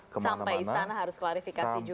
sampai istana harus klarifikasi juga